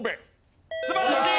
素晴らしい！